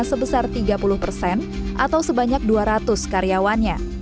sebesar tiga puluh persen atau sebanyak dua ratus karyawannya